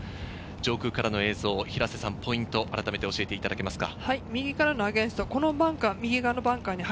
上空からの映像、ポイントを教えていただけますか？